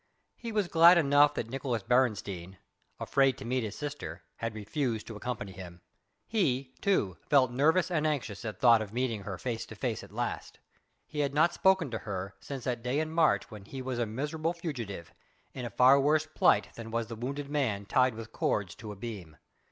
He was glad enough that Nicolaes Beresteyn afraid to meet his sister had refused to accompany him. He, too, felt nervous and anxious at thought of meeting her face to face at last. He had not spoken to her since that day in March when he was a miserable fugitive in a far worse plight than was the wounded man tied with cords to a beam.